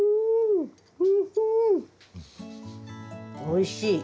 おいしい。